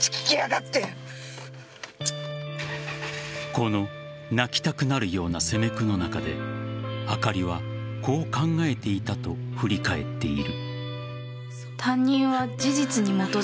この泣きたくなるような責め苦の中であかりはこう考えていたと振り返っている。